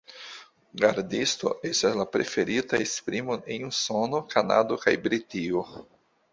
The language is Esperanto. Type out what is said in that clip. Gardisto estas la preferita esprimo en Usono, Kanado, kaj Britio.